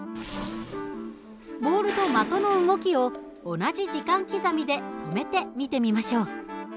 ボールと的の動きを同じ時間刻みで止めて見てみましょう。